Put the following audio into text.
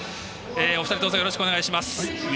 お二人どうぞよろしくお願いいたします。